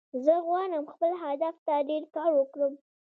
زه غواړم خپل هدف ته ډیر کار وکړم